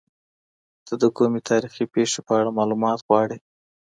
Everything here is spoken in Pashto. ته د کومې تاريخي پېښې په اړه معلومات غواړې؟